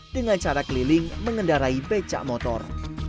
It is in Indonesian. dengan cara keliling mengendarai becak motor